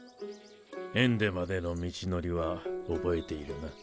エンデまでの道のりは覚えているな？